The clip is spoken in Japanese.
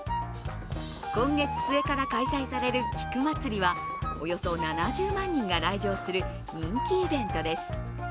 今月末から開催される菊まつりはおよそ７０万人が来場する人気イベントです。